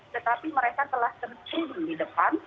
tetapi mereka telah terhubung di depan